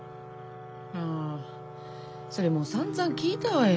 あそれもうさんざん聞いたわよ。